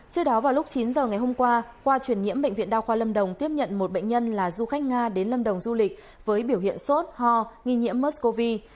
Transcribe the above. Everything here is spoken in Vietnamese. trưa đó vào lúc chín giờ ngày hôm qua qua truyền nhiễm bệnh viện đao khoa lâm đồng tiếp nhận một bệnh nhân là du khách nga đến lâm đồng du lịch với biểu hiện sốt ho nghi nhiễm mất covid